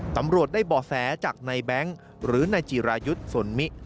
ตำรวจได้บ่อแสจากนายแบงค์หรือนายจิรายุทธ์สนมิ